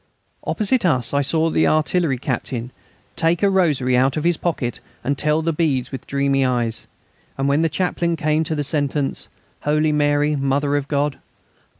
Opposite us I saw the artillery captain take a rosary out of his pocket and tell the beads with dreamy eyes; and when the Chaplain came to the sentence "Holy Mary, Mother of God